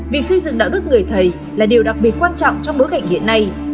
việc xây dựng đạo đức người thầy là điều đặc biệt quan trọng trong bối cảnh hiện nay